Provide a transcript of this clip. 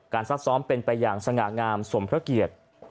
การซักซ้อมเป็นไปอย่างสะงะงามสมพเกียจ